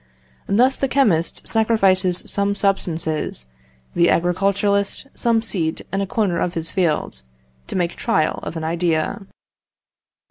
Thus the chemist sacrifices some substances, the agriculturist some seed and a corner of his field, to make trial of an idea.